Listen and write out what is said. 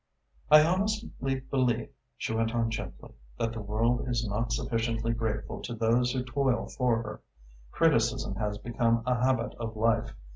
"I honestly believe," she went on gently, "that the world is not sufficiently grateful to those who toil for her. Criticism has become a habit of life.